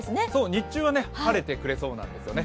日中は晴れてくれそうなんですね。